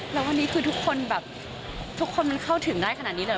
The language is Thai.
แล้ววันนี้คือทุกคนแบบทุกคนมันเข้าถึงได้ขนาดนี้เลย